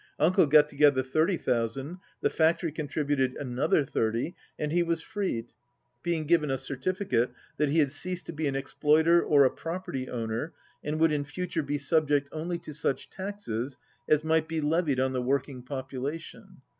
Uncle got together thirty thousand, the factory contributed another thirty, and he was freed, being given a certificate that he had ceased to be an exploiter or a property owner, and would in future be subject only to such taxes as might be levied on the work ing population.